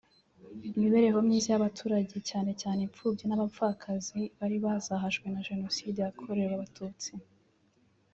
imibereho myiza y’abaturage cyane cyane imfubyi n’abapfakazi bari bazahajwe na Jenoside yakorewe Abatutsi